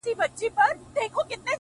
وړونه مي ټول د ژوند پر بام ناست دي!!